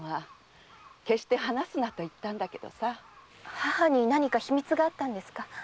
母に何か秘密があったんですか？